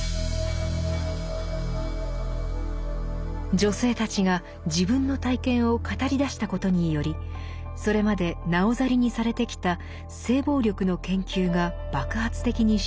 女性たちが自分の体験を語りだしたことによりそれまでなおざりにされてきた性暴力の研究が爆発的に進展。